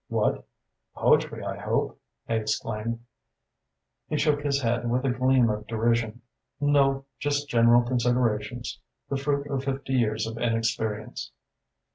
"What? Poetry, I hope?" I exclaimed. He shook his head with a gleam of derision. "No just general considerations. The fruit of fifty years of inexperience."